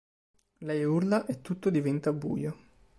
Lei urla e tutto diventa buio.